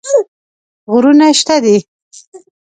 غرونه شته دي.